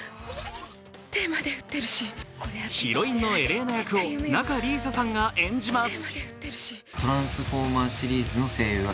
ヒロインのエレーナ役を仲里依紗さんが演じます。